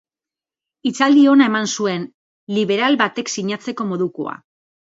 Hitzaldi ona eman zuen, liberal batek sinatzeko modukoa.